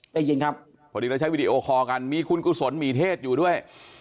ได้ยินครับพอดีเราใช้วิดีโอคอลกันมีคุณกุศลหมีเทศอยู่ด้วย